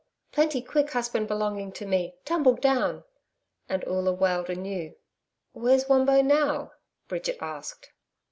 Plenty quick husband belonging to me TUMBLE DOWN.' And Oola wailed anew. 'Where's Wombo now?' Bridget asked.